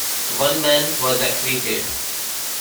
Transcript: One man was acquitted.